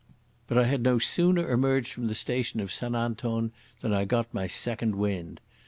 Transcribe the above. But I had no sooner emerged from the station of St Anton than I got my second wind.